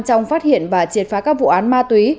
trong phát hiện và triệt phá các vụ án ma túy